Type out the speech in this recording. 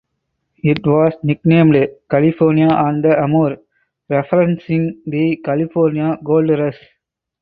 It was nicknamed "California on the Amur" (referencing the California Gold Rush).